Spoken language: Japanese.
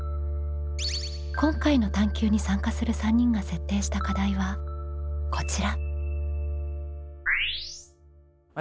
今回の探究に参加する３人が設定した課題はこちら。